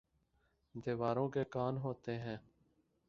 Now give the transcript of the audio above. دیواروں کے کان ہوتے ہیں